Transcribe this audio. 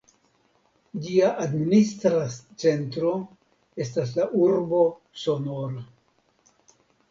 Ĝia administra centro estas la urbo Sonora.